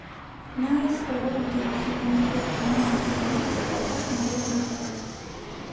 Նա այս բոլոր ընկերությունների գործունյա անդամ էր, իսկ հաճախ նաև նախագահ։